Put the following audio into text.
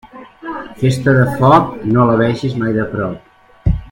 Festa de foc, no la veges mai de prop.